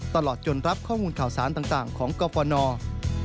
ตลอดจนรับข้อมูลข่าวสารต่างของกรฟน